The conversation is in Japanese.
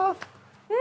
え